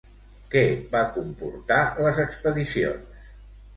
Què va comportar les expedicions?